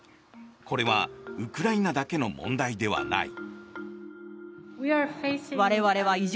これはウクライナだけの問題ではない。